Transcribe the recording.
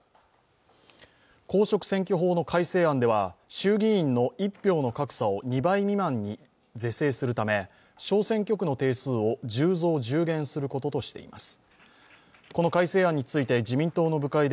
公職選挙法の改正案では、衆議院の１票の格差を２倍未満に是正するため小選挙区の定数を１０増１０減することとしています。